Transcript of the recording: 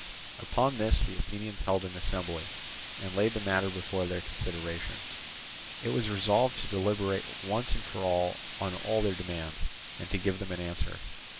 Upon this the Athenians held an assembly, and laid the matter before their consideration. It was resolved to deliberate once for all on all their demands, and to give them an answer.